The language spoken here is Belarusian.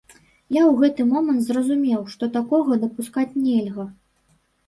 Я ў гэты момант зразумеў, што такога дапускаць нельга.